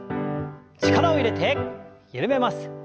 力を入れて緩めます。